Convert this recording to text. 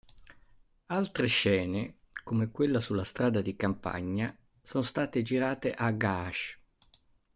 Altre scene, come quella sulla strada di campagna, sono state girate a Ga'ash.